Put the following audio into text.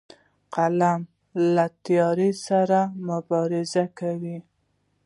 قلم له تیارو سره مبارزه کوي